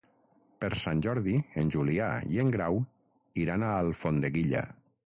Per Sant Jordi en Julià i en Grau iran a Alfondeguilla.